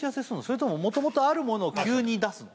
それとも元々あるものを急に出すの？